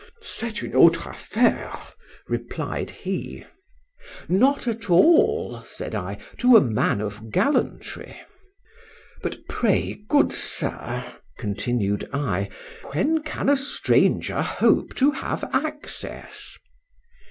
—C'est une autre affaire, replied he.—Not at all, said I, to a man of gallantry.—But pray, good sir, continued I, when can a stranger hope to have access?